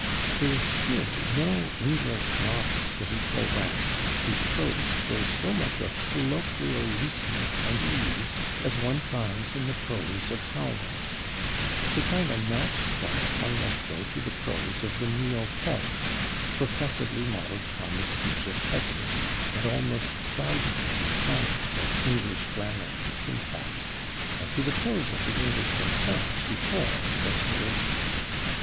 There is surely no English novelist of equal rank whose prose shows so much of colloquial looseness and ease as one finds in the prose of Howells: to find a match for it one must go to the prose of the neo Celts, professedly modelled upon the speech of peasants, and almost proudly defiant of English grammar and syntax, and to the prose of the English themselves before the Restoration.